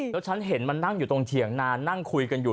แล้วฉันเห็นมันนั่งอยู่ตรงเถียงนานนั่งคุยกันอยู่